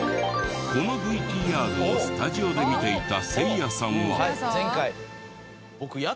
このＶＴＲをスタジオで見ていたせいやさんは。